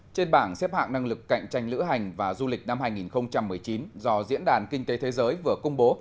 trên bảng xếp hạng năng lực cạnh tranh lữ hành và du lịch năm hai nghìn một mươi chín do diễn đàn kinh tế thế giới vừa công bố